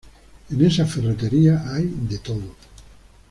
en esa ferretería hay de todo